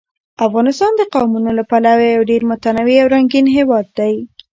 افغانستان د قومونه له پلوه یو ډېر متنوع او رنګین هېواد دی.